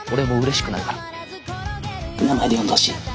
名前で呼んでほしい。